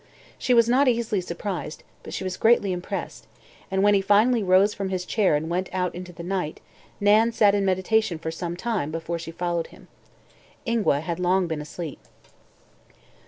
She was not easily surprised, but she was greatly impressed, and when he finally rose from his chair and went out into the night Nan sat in meditation for some time before she followed him. Ingua had long been asleep.